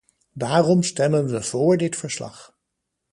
Daarom stemmen we vóór dit verslag.